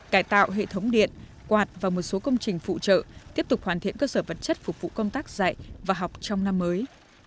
cải tạo hệ thống điện quạt và một số công trình phụ trợ tiếp tục hoàn thiện cơ sở vật chất phục vụ công tác dạy và học trong năm mới